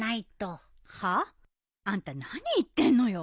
はあ？あんた何言ってんのよ。